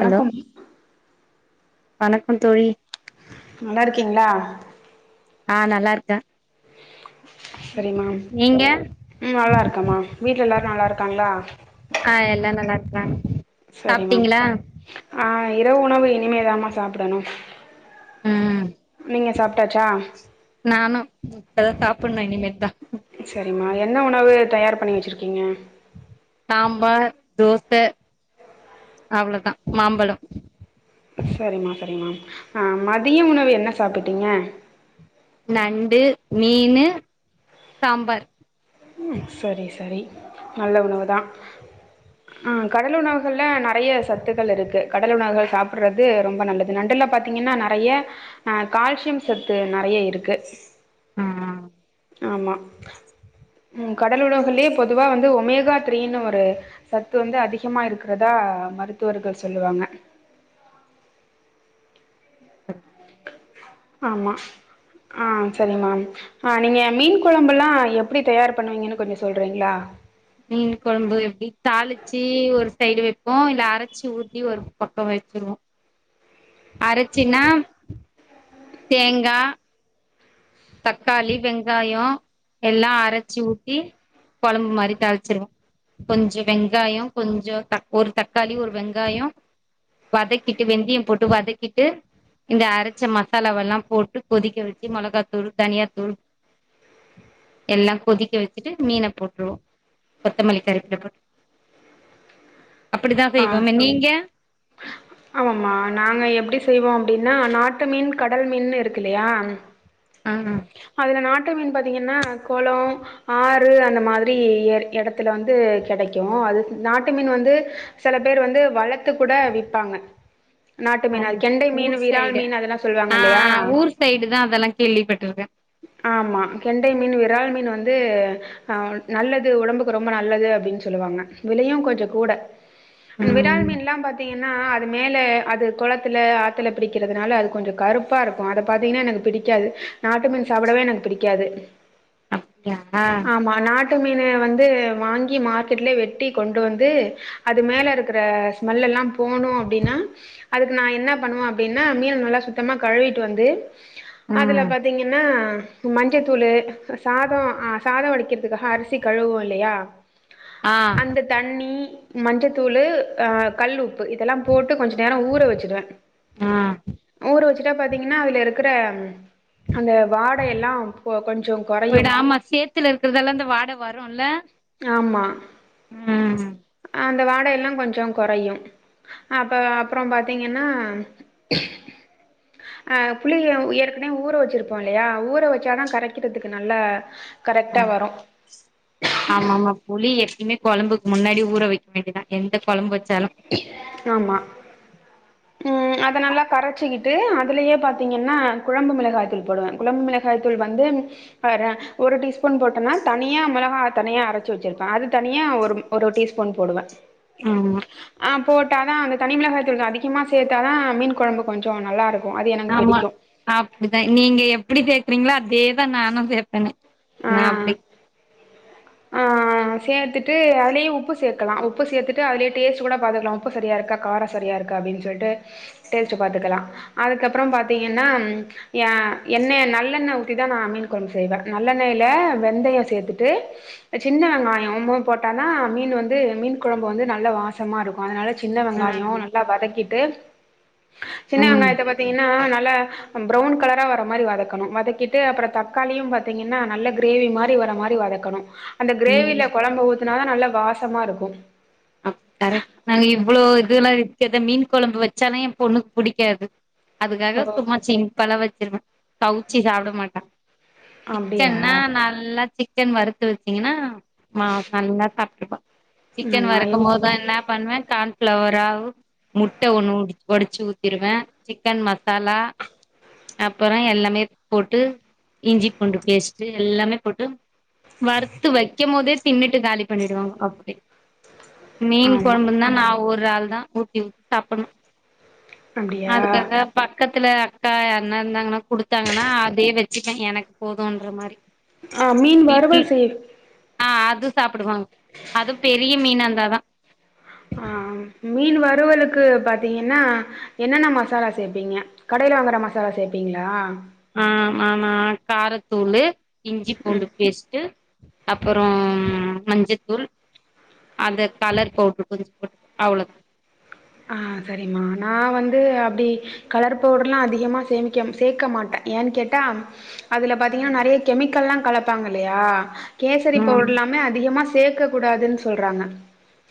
hello வணக்கம் தோழி நல்லா இருக்கீங்களா ஆஹ் நல்லா இருக்கேன் செரிமா ம் நல்லாருக்கேமா வீட்டுல எல்லாரும் நல்லாருக்காங்களா எல்லா நல்லா ஆ செரிமா சாப்ட்டீங்களா ஆஹ் இரவு உணவு இனிமே தாம சாப்பிடணும் ஹ ஹ சாப்டாச்சா நானும் அதான் சாப்பிடனும் இனிமே தான் செரிமா என்ன உணவு தயார் பண்ணி வச்சிருக்கீங்க சாம்பார் தோச அவ்வளவுதான் மாம்பழம் செரிமா செரிமா ஆஹ் மதிய உணவு என்ன சாப்பிட்டீங்க நண்டு மீனு சாம்பார் ம் சரி சரி நல்ல உணவு தான் அஹ் கடல் உணவுகள் நெறைய சத்துகள் இருக்கு கடல் உணவுகள் சாப்பிடுறது ரொம்ப நல்லது நண்டுல பாத்தீங்கன்னா நெறைய ஆஹ் கால்சியம் சத்து நெறைய இருக்கு ஆ ஆமா உ கடல உணவுலையே பொதுவா வந்து ஒமேகா த்ரீனு ஒரு சத்து வந்து அதிகமா இருக்கிறதா மருத்துவர்கள் சொல்லுவாங்க உம் ஆமா ஆஹ் செரிமா ஆஹ் நீங்க மீன் குழம்பு எல்லாம் எப்படி தயார் பண்ணுவீங்கன்னு கொஞ்சோ சொல்றீங்களா மீன் கொழம்பு எப்டி தாளிச்சு ஒரு சைடு வைப்போ இல்ல அரைச்சி ஊத்தி ஒரு பக்கம் வச்சிருவோ அரைச்சுனா தேங்கா தக்காளி வெங்காயம் எல்லா அரைச்சு ஊத்தி கொழம்பு மாதிரி தாளிச்சிருவம் கொஞ்சோ வெங்காயம் கொஞ்சோ ஒரு தக்காளி ஒரு வெங்காயம் வதக்கிட்டு வெந்தம் போட்டு வதக்கிட்டு இந்த அரைச்ச மசாலாவெல்லாம் போட்டு கொதிக்க வச்சு மிளகா தூள் தனியாத்தூள் எல்லாம் கொதிக்க வச்சுட்டு மீன போட்டுருவோம் கொத்தமல்லிக் கருவேப்பில போட்டு அப்டிதா ஹ செய்வோமே நீங்க ஆமாமா நாங்க எப்படி செய்வோ அப்டின்னா நாட்டு மீன் கடல் மீன் இருக்கு இல்லையா ஆஹ்ஹ் சில நாட்டு மீன் பாத்தீங்கன்னா கோள ஆறு அந்த மாதிரி இ இடத்துல வந்து கிடைக்கு அது நாட்டு மீன் வந்து சில பேர் வந்து வளர்த்து கூட விப்பாங்க நாட்டு மீன் ஆஹ் அது கெண்டை மீன் ஊர் விரால் சைடு மீன் அதெல்லா சொல்லுவாங்க இல்லையா ஆஹ் ஊர் சைடு தான் அதெல்லாம் கேள்விப்பட்டிருக்கேன் ஆமா கெண்டை மீன் விரால் மீன் வந்து ஆஹ் நல்லது உடம்புக்கு ரொம்ப நல்லது அப்படின்னு சொல்லுவாங்க விலையும் கொஞ்சம் கூட அந்த விரால் ம் மீன்லா பாத்தீங்கன்னா அது மேல அது குளத்துல ஆத்துல பிடிக்கிறதுனால அது கொஞ்ச கருப்பா இருக்கு அத பாத்தீங்கன்னா எனக்கு பிடிக்காது நாட்டு மின் சாப்பிடவே எனக்கு பிடிக்காது அப்டியா ட்டு மீனை வந்து வாங்கி மார்க்கெட்லயே வெட்டி கொண்டு வந்து அது மேலே இருக்கிற ஸ்மெல்லெல்லா போணுமஅப்டின்னா அதுக்கு நா என்ன பண்ணுவே அப்டின்னா மீன் நல்லா சுத்தமாக கழுவிகட்டு வந்து அதுல ஆ பத் என மஞ்சத்தூளு சாத ஆ சாத வடிக்கிறதுக்காக அரிசி கழுவோ இல்லையா ஆ அந்த தண்ணி மஞ்சத்தூள் அஹ கல்ல உப்பு இதெல்லா போட் டு கொஞ்ச நேரம் ஊற வச்சுடுவேன் ஆ ஊற வச்சுட்டா பாத்தீங்கன்னா அதுல க்ற அந்த வாடை எல்லாம் கொ கொஞ்சம் குறையும் போயிடு ஆமா சேத்துல இருக்கிறதெல்லா இந்த வாட ஆமா உம் அந்த வாடை எல்லாம் கொஞ்சம் குறையும் அப்ப அப்புறம் பார்த்தீங்கன்னா அஹ் புளி உயர் ஊற வச்சிருப்போம் இல்லையா ஊற வச்சாதான் கரைக்கிறதுக்கு நல்ல ஆஹ ஆமா ஆமா புளி எப்பவுமே கோழம்புக்கு முன்னாடி ஊற வைக்க வேண்டியதா எந்த குழம்பு ஆமா உம் அத நல்லா கரைச்சிக்கிட்டு அதுலயே பாத்தீங்கன்னா குழம்பு மிளகாய் தூள் போடுவே குழம்பு மிளகாய் தூள் பர வந்து ஆஹ ஒரு டீஸ்பூன் போட்டோனா தனியா மிளகாய் தனியா அரைச்சு வச்சிருப்பேன் அது தனியா ஒரு ஒரு டீஸ்பூன் போடுவே ஆமா ஆஹ் போட்டால் தான் அந்த தனிமிளகாய தூள் அதிகமாக சேர்த்தா தான் மீன் குழம்பு கொஞ்சம் நல்லாயிருக் ஆமா அப்டித்தா நீங்க எப்படி கே சேக்குறீங்களோ அதேதா நானு சேப்பேங்க நா அப்டி ஆஹ் சேத்து டு அதிலேயே உப்பு சேர்த் பத்துக்கல உப்பு சேர்த்துட்டு அதிலே டேஸ்ட் கூட பாத்தக்கலா உப்பு சரியா இருக்கா காரம் சரியா இருக்கா அப்டின்னு சொல்லிட்டு டேஸ்ட்டு பார்த்துக்கலா அதுக்கப்புற பாத்தீங்கன்னா எய எண்ணெ நல்லெண்ணெ ஊத்தி தா நா மீன் குழம்பு செய்வேன் நல்லெண்ணைல வெந்தய சேர்த்துட்டு சின்ன வெங்காய போட்ட தா மீன் வந்து மீன் குழம்பு வந்து நல்ல வாசமா இருக்கு அதனால சின்ன ஆ வெங்காயம் நல்லா வதக்கிட்டு ட்டு சின்ன ம் வெங்காயத்த பாத்தீங்கன்னா ந லா ப்வுன் கலரா வர மாரி வதக்கணும் வதக்கிட்டு அப்புறம் தக்காளியும் பத் பாத்தீங்கன்னா நல்ல கிரேவி மாரி வர மாரி வதக்கணும் அந்த ம் கிரேவில கொழம்ப ஊத் அதனால நல்ல வாசமா இருக்கு அப் கரெட் நாங்க இவ்ளோ இததுல்லா இருக்கத மீன் கொழம்பு வச்சாலே என் பொண்ணுக்கு புடிக்காது ஓ அதுக்காக சும்மா சிம்பலா வச்சிருவே கவுச்சி சாப்ட மாட்டா அப்டியா சிக்கன்னா நல்லா சிக் சிக்கன் வறுத்து வச்சீங்கன்னா மா நல்லா சாப்டுப்பா சிக்கன் ஆமா வறு இருக்கும் என் போது என்ன பண்ணுவேன் கான் ப்ளவராவு முட்ட ஒண்ணு ஒடைச்சு ஊத்திருவே சிக்கன் மசாலா அப்புற எல்லாமே போட்டு இஞ்சி பூண்டு பேஸ்ட் எல்லாமே போட்டு வறுத்து வைக்கும்போதே தின்னுட்டு காலி பண்ணிடுவாங்க அப்டி மீன் ஆமா கொழம்புனா நாஓ ரால் தான் ஊட்டிவுட்டு சாப்புணும் அப்டியா அதுக்காக பக்கத்துல அக்கா அண்ணா இருந்தாங்கன்னா குடுத்தாங்கன்னா அதையே வச்சுப்பேன் எனக்கு போதும்ன்ற மாரி ஆஹ் மீன் வறுவல் செய்ய ஆஹ் அது சாப்புடுவாங்க அதுவும் பெரிய மீனா இருந்தான் ஆஹ் மீன் வறுவலுக்கு பாத்தீங்கன்னா என்னென்ன மசாலா சேப்பீங்க கடையில வாங்குற மசாலா சேப்பீங்ளா ஆ ஆமா காரத்தூள் இஞ்சி பூண்டு பேஸ்ட்டூ அப்புறம் மஞ்சத்தூள் அந்த கலர் பவுட்ரு கொஞ்சம் போட்டு அவ்ளோ தான் ஆஹ் சரிம்மா நான் வந்து அப்படி கலர் பவுடர்ல்லாம் அதிகமா சேமிக்க சேக்க மாட்டேன் ஏன்னு கேட்டா அதில் பாத்திங்கன்னா நறைய கெமிக்கலாம் கலப்பாங்க இல்லையா கேசரி பவுடர் ம் எல்லாமே அதிகமா சேக்க கூடாதுன்னு சொல்றாங்க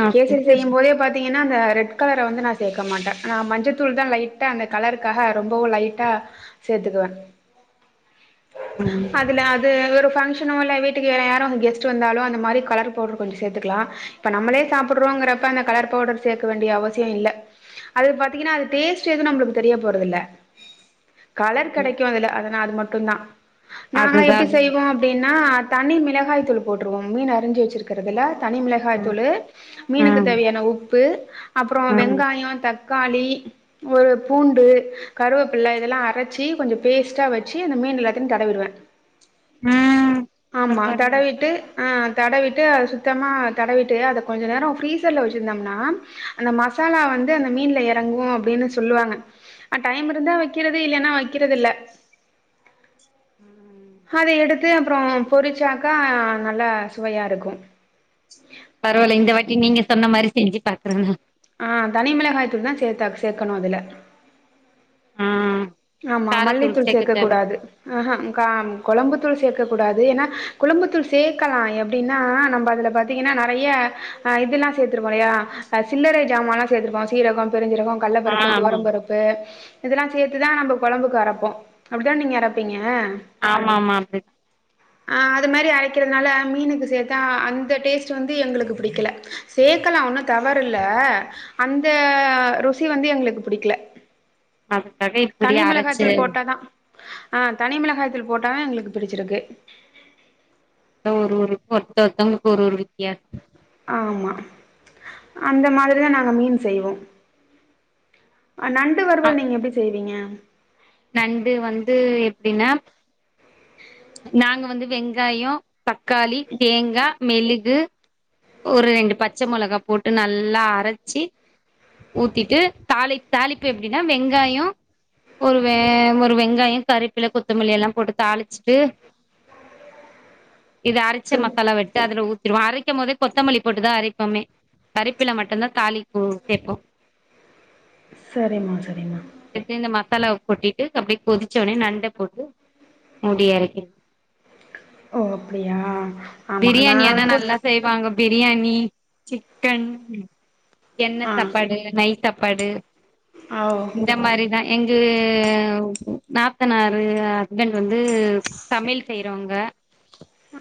ஆ ம் கேசரி செய்யும் போதே பாத்தீங்க என்ன ரெட் கலர வந்து நான் சேக்க மாட்டேன் நான் மஞ்சத்தூள் தான் லைட்டா அந்த கலருக்காக ரொம்பவும் லைட்டா சேத்துக்குவேன் அதுல ம் அது ஒரு பங்ஷன் வீட்டுக்கு யாரும் கெஸ்ட் யார் வந்தாலும் அந்த மாரி கலர் பவுடர் கொஞ்சம் செத்துக்கலாம் இப்ப நம்மளே சாப்புர்ரொம்ங்றப்ப அந்த கலர்பவுடர் சேக்கவேண்டிய அவசி இல்ல அது பாத்தீங்கன்னா அதுடேஸ்ட் எதுவும் நம்மளுக்கு தெரிய போறதில்ல கலர் கெடைக்கும் அதுல அதனா அது மட்டும் தான் நாங்க அதுதா எப்டி செய்வோம் அப்டின் நா தண்ணி மிளகாய் தூள் போட்டுருவோம் மீன் அரிஞ்சு வச்சிருக்கறிறதுல்ல தனி மிளகாய் ம் தூளு மீனுக்கு ம் தேவையான உப் ப்பு அப்புறம் ம் வெங்காயம் தக் க்காளி ஒரு பூண்டு கருவேப்பிலை இதெல்லாம் அரைச்சு கொஞ்சம் பேஸ்ட்டா வச்சு அந்த மீன் எல்லாத்தையும் தடவிடுவே ம் ஆமா பரவால்ல தடவிட்டு ஹன் தடவிட்டு அத சுத்தமாக தடவிட்டு அத கொஞ்சம் நேரம் ஃப்ரீசல வச்சுருந்தோம்னா அந்த மசாலா வந்து அந்த மீன்ல இறங்கு அப்படின்னு சொல்லுவாங்க அ டைம் இருந்தா வைக்கிறது இல்லலைன்னா வைக்கிறது இல்ல ம் இது அப்புறம் பொரிச்சாக்கா நல்லா சுவையா இருக்கும் கே நீங்க சொன்ன மாரி செஞ்சு பாக்குறங்க ஆ தனி மிளகாயத்தூள் தான் சேர்த்தா சேர்க்கணும் அதுல ஆ ஆமா காரத்தூள் மல்லித்தூள் சேக்க சேர்க்க தேவல்ல கூடாது ஹ ஹா க கொழம்பு தூள் சேர்க்கக்கூடாது ஏன்னா குழம்புத்தூள் சேர்க்கலாம் எப்படின்னா நம்ம அதுல பாத்தீங்கன்னா நெறைய அ இதெல்லாம் சேர்த்திருப்போம் இல்லையா அ சில்லறை சாமான்லா சேர்த்திருப்போம் சீரகம் பெருஞ்சீரகே ஆ கள்ளப்பருப்பு ஆமா துவரம்பருப்பு இதெல்லாம் செத் இப்படி தான் நம்ம குழம்புக்கு அரப்போம் அப்படிதான் நீங்க அரப்பீங்க ஆமா ஆமா அப்டி ஆ அது மாரி அரைக்கிறதுனால மீனுக்கு சேர்த்தா அந்த டேஸ்ட் வந்து எங்களுக்கு பிடிக்கல சேர்க்கலாம் ஒன்னு தவறில்ல அந்த ருசி வந்து எங்களுக்கு புடிக்கல அதுக்காக இப்டி அரச்சு ஆ தனி மிளகாய்த்தூள் போட்டா தா எங்களுக்கு பிடிச்சிருக்கு ஒரு ஊருக்கு ஒருத்த ஒருத்தவங்களுக்கு ஒரு ஒரு வித்தியாசம் ஆமா அந்த மாதிரிதான் நாங்க மீன் செய்வோம் நண்டு வருவல் நீங்க எப்டி செய்வீங்க நண்டு வந்து எப்டின்னா நாங்க வந்து வெங்காயம் தக்காளி தேங்கா மெழுகு ஒரு ரெண்டு பச்ச மிளகா போட்டு நல்லா அரச்சி ஊத்திட்டு தாளி தாளிப்பு எப்டின்னா வெங்காயோ ஒரு வெ ஒரு வெங்காயம் கருப்பில கொத்தமல்லி எல்லாம் போட்டு தாளிச்ட்டு இது அரச்ச சொல் மசாலாவ எடுத்து அதுல ஊத் அரைக்கு மோது கொத்தமல்லி போட்டுதா அரைப்போமே கறிபில்ல மட்டுதான் தாலிப்பு சேப்போம் செரிம்மா செரிம்மா சேத்து இந்த மசாலாவ கொட்டிட்டு அப்டியே கொதிச்ச உனே நண்ட போட்டு மூடியரக்கி ஓ அப்டியா ஆமா நா பிரியாணியனா கூட் நல்லா செய்வாங்க பிரியாணி சிக்கன் என்ன ஆ சாப்பாடு நெஸ் சாப்பாடு ஓ இந்த மாரிதான் [unintelligible] நாத்தனாறு ஹஸ்பண்ட் வந்து தமிழ் செய்றவங்க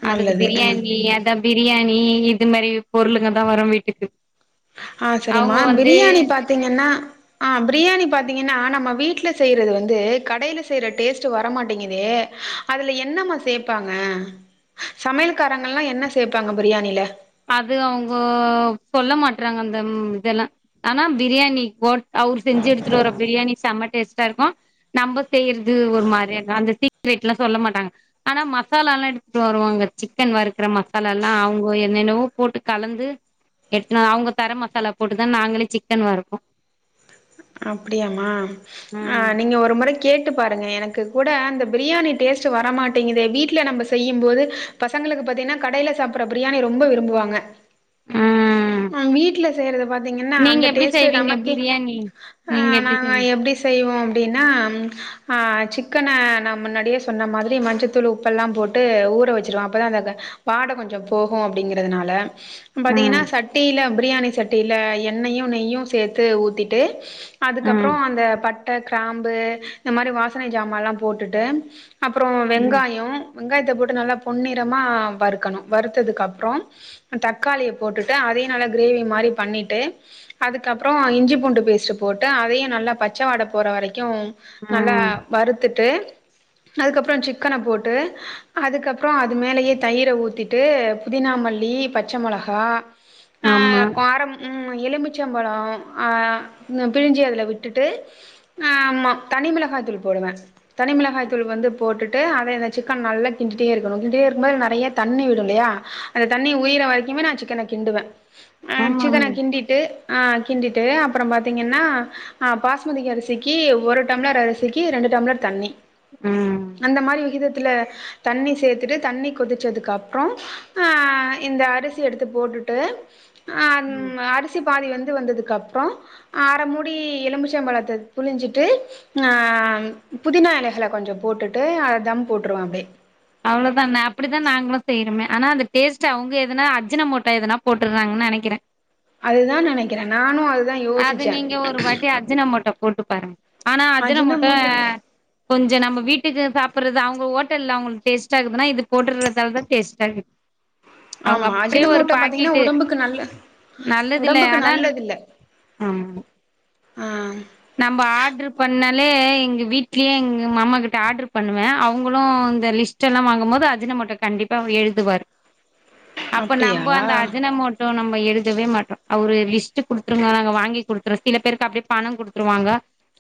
அதுக்கு நல்லது ம் பிரியாணி அடம் பிரியாணி இது மாரி பொருளுங்க தான் வரும் வீட்டுக்கு ஆஹ் சரிமா அவங்க வந்து பிரியாணி பாத்தீங்கன்னா ஆ பிரியாணி பாத்தீங்கன்னா நம்ம வீட்டில் செய்யுறது வந்து கடையில் செய்ற டேஸ்ட்டு வரமாட்டேங்குது அதுல என்னம்மா சேப்பாங்க சமையல்காரங்க எல்லாம் என்ன சேப்பாங்க பிரியாணியிலா அது அவங்கோ சொல்ல மாட்டறாங்க தேம் இதெல்லாம் ஆனா பிரியாணி போட் அவர் செஞ்சு எடுத்துட்டு வர பிரியாணி செம்ம டேஸ்ட்டா இருக்கும் நம்ம செய்யறது ஒரு மாதிரியா அந்த சீக்ரெட் சொல்ல மாட்டாங்க ஆனா மசாலல்லாம் எடுத்துட்டு வருவாங்க சிக்கன் வறுக்குர மசாலா எல்லாம் அவங்க என்னவோ போட்டு கலந்து எடுத்து அவங்க தர மசாலா போட்டுதான் நாங்களே சிக்கன் வருப்போம் அப்படியாமா ஆஹ் நீங்க ஒரு முற கேட்டு பாருங்க எனக்கு கூட அந்த பிரியாணி டேஸ்ட் வரமாட்டேங்குதே வீட்டுல நம்ம செய்யும்போது பசங்களுக்கு பத்தீங்கன்னா கடையில சாப்புற பிரியாணி ரொம்ப விரும்புவாங்க ம் நாங்க வீட்டுல செய்யறத பாத்து நீங்க எப்படி செய்வீங்க பிரியாணி நீங்க ஆஹ எப்டி நாங்க செய்வீங்க எப்படி செய்வோம் அப்படின்னா சிக்கன நான் முன்னாடியே சொன்ன மாதிரி மஞ்சத்தூள் உப்பெல்லாம் போட்டு ஊற வச்சுருவோம் அப்ப தான் அந்த வாட கொஞ்சம் போகும் அப்டிங்குறதுனால பாத்தீங்கன்னா ம் சட்டில அப்டி பிரியாணி சட்டியில எண்ணயையும் நெயும் சேத்து ஊத்திட்டு ட்டே ம் அதுக்கப்புறம் அந்த பத் பட்ட கிராம்பு இந்த மாதிரி வாசனை சாமல்லாம் போட்டுட்டு அப்புறம் ம் வெங்காயம் வெங்காயத்தை போட்டு நல்லா பொன்னிறமா வறுக்கணும் வறுத்ததுக்கப்புறம் தக்காளிய போட்டுட்டு அதையும் நல்லா கிரேவி மாதிரி பண்ணிட்டு அதுக்கப்புறம் இஞ்சி பூண்டு பேஸ்ட்டு போட்டு அதையும் நல்லா பச்சை வாட போர வரைக்கும் நல்லா ம் வருத்துட்டு ட்டு அதுக்கப்புறம் சிக்கன போட்டு அதுக்கப்புறம் அது மேலேயே தயிரை ஊற்றிட்டு புதினாமல்லி பச்ச மிளகாய் ஆமா ஆஹ் காரம் உம் எலுபிச்சம்பழம் பிழிஞ்சி அதுல விட்டுட்டு ஆஹ் தனிமிளகாய் தூள் போடுவேன் தனி மிளகாய் தூள் வந்து போட்டுட்டு அத அந்த சிக்கன் நல்லா கிண்டிட்டே இருக்கணும் கிண்டிட்டே இருக்கும்போது நிறைய தண்ணி விடும் இல்லையா அந்த தண்ணி உயிர வரைக்குமே நான் சிக்கன கிண்டுவேன் அஹ் ஆமா சிக்கன கிண்டிட்டு ஆஹ் கிண்டிட்டு அப்புறம் பா பாத்தீங்கன்னா ஆஹ் பாஸ்மதி அரிசிக்கு ஒரு டம்ளர் அரிசிக்கு ரெண்டு டம்ளர் தண்ணி ம் அந்த மாரி விகிதத்துல தண்ணி சேர்த்துட்டு தண்ணி கொதிச்சதுக்கு அப்புறம் அஹ் இந்த அரிசி எடுத்து போட்டுட்டு ஆம் ம் ஆஹ் அரிசி பாதி வந்து வந்ததுக்கு அப்புறம் அரை மூடி எலும்புச்சம்பழத்த புழிஞ்சிட்டு ஆ புதினா இலைகளை கொஞ்சம் போட்டுட்டு அத தம் போட்டுருவேன் அப்படியே அவ்வுளதானே அப்படித்தான் நாங்களும் செய்யறமே ஆனா அந்த டேஸ்ட் அவங்க எதனா அஜின மோட்டோ எதனா போட்டுருறாங்கன்னு நினைக்கிறேன் அதுதான் நினைக்கிறேன் நானும் அதுதான் அது யோசிச்சேன் நீங்க ஒரு வாட்டி அஜினமோட்டோ போட்டு பாருங்க ஆனா அஜுன மோட்டோ கொஞ்சம் நம்ம வீட்டுக்கு சாப்பிடுறது அவங்க ஹோட்டல்ல அவங்களு டேஸ்ட்டாக்குதுனா இது போட்டுறதால தான் டேஸ்ட்டா இக்குது ஆமா அஜின மோட்டோ பாத்தீங்கன்னா உடம்புக்கு நல்ல நல்லதில்ல உடம்புக்கு ஆனா நல்லது இல்ல ஆமா ஆ நம்ம ஆர்டரு பண்ணாலே எங்க வீட்லயே எங்க மாமா கிட்ட ஆர்டரு பண்ணுவேன் அவங்களும் இந்த லிஸ்ட் எல்லாம் வாங்கும் போது அஜின மோட்டோ கண்டிப்பா எழுதுவரு அப்ப அப்டியா நம்ப அந்த அஜின மோட்டோ நம்ப எழுதவே மாட்டோம் அவரு லிஸ்ட் குடுத்துருங்க நாங்க வாங்கி குடுத்துறோம் சில பேருக்கு அப்படியே பணம் குடு ருவாங்க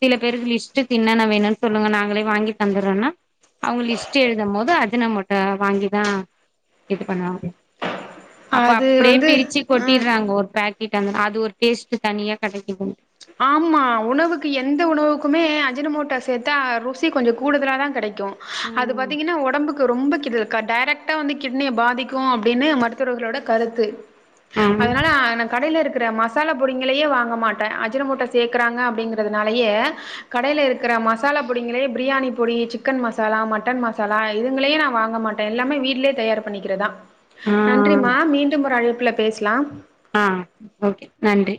சில பேருக்கு லிஸ்ட்க்கு இன்னன்ன வேணுன்னு சொல்லுங்க நாங்களே வாங்கி தந்துறோன்னா அவங்க லிஸ்ட் எழுதும் போது அஜின மோட்டோ வாங்கிதான் இது பண்ணுவாங்க அப்ப அது அப்படியே வந்து பிரிச்சு ம் கொட்டிடுறாங்க ஒரு பேக் கிட்டாங்க வந்துடும் அது ஒரு டேஸ்ட் தனிய கிடைக்குது ஆமா உணவுக்கு எந்த உணவுக்குமே அஜினமோட்டா சேத்தா ருசி கொஞ்சம் கூடுதல தான் கிடைக் கும் அது ம் பாத்தீங்கன்னா உடம்புக்கு ரொம்ப கெ டைரக்டா வந்து கிட்னிய பாதிக்கும் அப்படின்னு மருத்துவர்களோட கருத்து ஆ அதுனால கடையில இருக் கிற மசாலா பொடிங்களையே வாங்க மாட்டேன் அஜின மோட்டோ சேர்க்கறாங்க அப்படிங்கறதுனாலயே கடையில இருக்கிற மசாலா பொடிங்களே பிரியாணி பொடி சிக்கன் மசாலா மட்டன் மசாலா இதுங்களே நான் வாங்க மாட்டேன் எல்லாமே வீட்லயே தயார் பண்ணிக்கிறதான் ஆ நன்றிமா மீண்டும் ஒரு அழைப் புல பேசலாம் ஆ ஓகே நன்றி